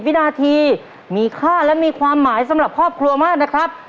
วินาทีมีค่าและมีความหมายสำหรับครอบครัวมากนะครับ